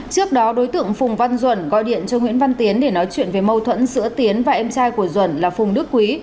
trước đó đối tượng phùng văn duẩn gọi điện cho nguyễn văn tiến để nói chuyện về mâu thuẫn giữa tiến và em trai của duẩn là phùng đức quý